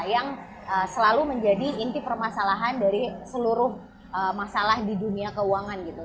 yang selalu menjadi inti permasalahan dari seluruh masalah di dunia keuangan gitu